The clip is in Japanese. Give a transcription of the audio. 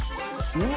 うわ。